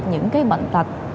những cái bệnh tật